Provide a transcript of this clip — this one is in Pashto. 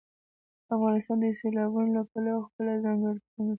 افغانستان د سیلابونو له پلوه خپله ځانګړې ځانګړتیا لري.